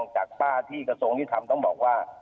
จากป้าที่กระทรงที่ทำต้องบอกว่า